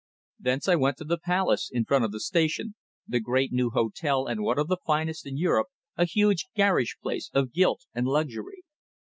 Thence I went to the Palace, in front of the station, the great new hotel and one of the finest in Europe, a huge, garish place of gilt and luxury.